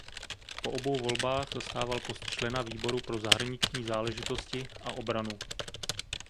Po obou volbách zastával post člena výboru pro zahraniční záležitosti a obranu.